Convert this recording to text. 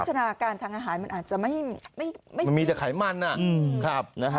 ชนาการทางอาหารมันอาจจะไม่มีแต่ไขมันมี